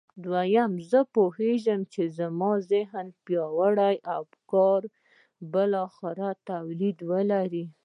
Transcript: دويم زه پوهېږم چې زما د ذهن پياوړي افکار به بالاخره توليد ولري.